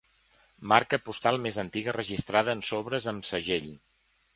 Marca postal més antiga registrada en sobres amb segell.